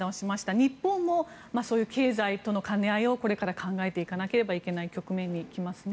日本もそういう経済との兼ね合いをこれから考えていかなければいけない局面に来ますね。